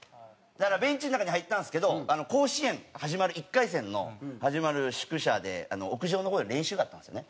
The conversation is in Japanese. だからベンチの中に入ったんですけど甲子園始まる１回戦の始まる宿舎で屋上の方で練習があったんですよね。